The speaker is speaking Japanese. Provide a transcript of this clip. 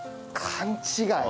勘違い。